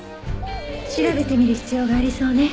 調べてみる必要がありそうね。